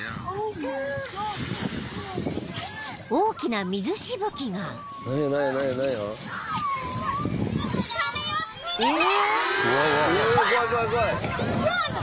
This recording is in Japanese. ［大きな水しぶきが］逃げて！